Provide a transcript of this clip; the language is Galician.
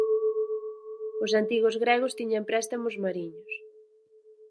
Os antigos gregos tiñan préstamos mariños.